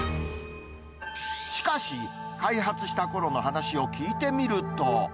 しかし、開発したころの話を聞いてみると。